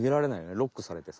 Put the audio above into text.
ロックされてさ。